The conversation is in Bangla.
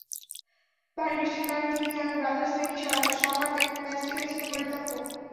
ভারী বৃষ্টির কারণে তিন দিন আগে ব্রাদার্স-ফেনী সকার ম্যাচটি হয়েছিল পরিত্যক্ত।